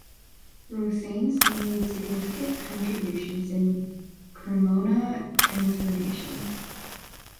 Rosanes made significant contributions in Cremona transformations.